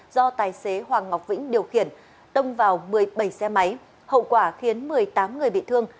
do tài xế hoàng ngọc vĩnh điều khiển tông vào một mươi bảy xe máy hậu quả khiến một mươi tám người bị thương